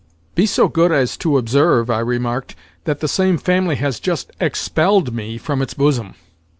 "Be so good as to observe," I remarked, "that the same family has just expelled me from its bosom.